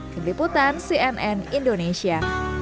keliputan cnn indonesia